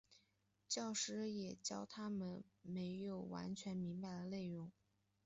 教师也要教他们没有完全明白的内容。